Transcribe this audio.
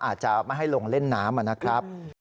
อาจจะไม่ให้ลงเล่นน้ำนะครับ